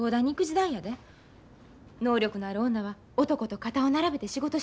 能力のある女は男と肩を並べて仕事してる。